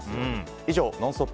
以上、ノンストップ！